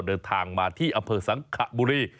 เดินทางมาที่อำเภอสังขบุรี